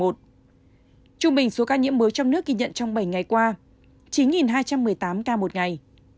trung bình số ca nhiễm mới trong nước ghi nhận trong bảy ngày qua chín hai trăm một mươi tám ca một ngày